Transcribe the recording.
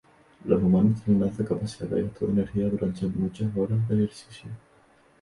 Los humanos tienen alta capacidad de gasto de energía durante muchas horas de ejercicio.